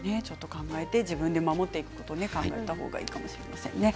自分で守っていくことを考えた方がいいかもしれませんね。